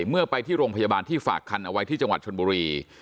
เมื่อไปที่โรงพยาบาลที่ฝากคันเอาไว้ที่จังหวัดชนบุรี